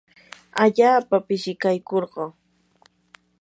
allaapa pishikaykurquu.